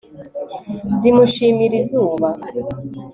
zimushimira, izuba